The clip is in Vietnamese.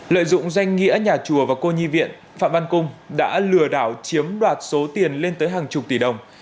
lợi dụng danh nghĩa nhà chùa và cô nhi viện phạm văn cung đã lừa đảo chiếm đoạt số tiền lên tới hàng chục tỷ đồng